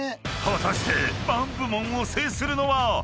［果たしてパン部門を制するのは？］